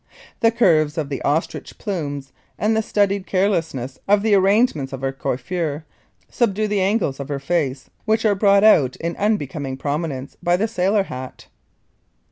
The curves of the ostrich plumes, and the studied carelessness of the arrangement of her coiffure, subdue the angles of her face which are brought out in unbecoming prominence by the sailor hat.